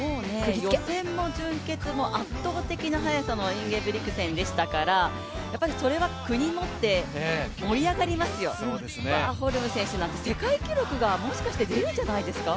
予選も準決も圧倒的な速さのインゲブリクセンですから、それは国も盛り上がりますよ、ワーホルム選手なんて、もしかして世界記録出るんじゃないですか。